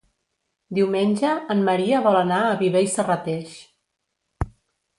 Diumenge en Maria vol anar a Viver i Serrateix.